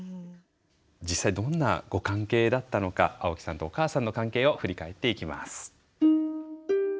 実際どんなご関係だったのか青木さんとお母さんの関係を振り返っていきます。